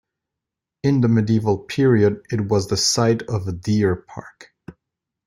In the medieval period it was the site of a deer park.